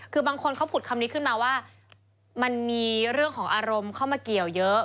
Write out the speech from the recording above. คือบางคนเขาผุดคำนี้ขึ้นมาว่ามันมีเรื่องของอารมณ์เข้ามาเกี่ยวเยอะ